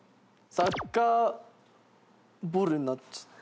「サッカーボル」になって。